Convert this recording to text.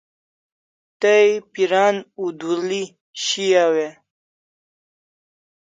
Tay piran udul'i shiaw e?